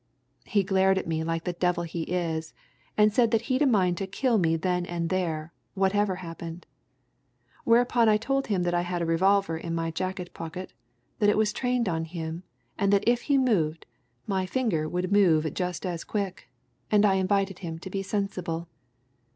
He glared at me like the devil he is, and said that he'd a mind to kill me there and then, whatever happened. Whereupon I told him that I had a revolver in my jacket pocket, that it was trained on him, and that if he moved, my finger would move just as quick, and I invited him to be sensible.